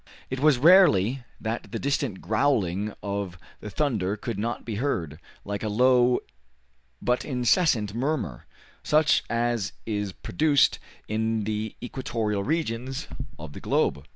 It was rarely that the distant growling of the thunder could not be heard, like a low but incessant murmur, such as is produced in the equatorial regions of the globe.